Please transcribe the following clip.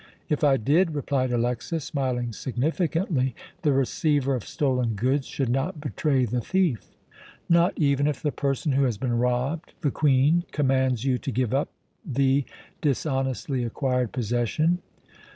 "If I did," replied Alexas, smiling significantly, "the receiver of stolen goods should not betray the thief." "Not even if the person who has been robbed the Queen commands you to give up the dishonestly acquired possession?"